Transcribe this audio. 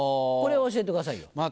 これを教えてくださいよ。